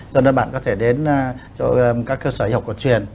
cho nên bạn có thể đến các cơ sở y học của truyền